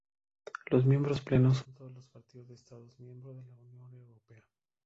Los "miembros plenos" son todos partidos de Estados miembro de la Unión Europea.